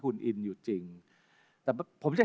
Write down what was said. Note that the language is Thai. โปรดติดตามต่อไป